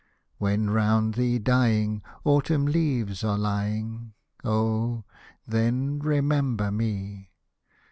When, around thee dying. Autumn leaves are lying, Oh ! then remember me.